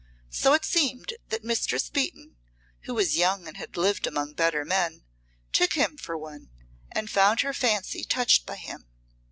So it seemed that Mistress Beaton, who was young and had lived among better men, took him for one and found her fancy touched by him.